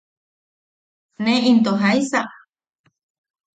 ¿Ne into jaisa?